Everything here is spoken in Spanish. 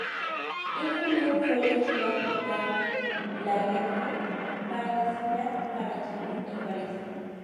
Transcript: En julio fue elegida por Karl Lagerfeld para desfilar para Chanel en París.